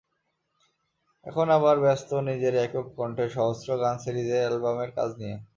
এখন আবার ব্যস্ত নিজের একক কণ্ঠে সহস্র গান সিরিজের অ্যালবামের কাজ নিয়ে।